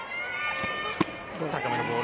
高めのボール。